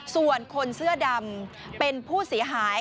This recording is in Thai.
ส่วนคนเสื้อดำเป็นผู้เสียหาย